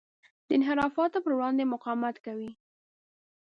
د انحرافاتو پر وړاندې مقاومت کوي.